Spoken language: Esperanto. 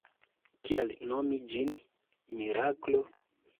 Kial nomi ĝin miraklo?